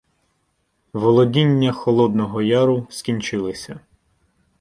Володіння Холодного Яру скінчилися.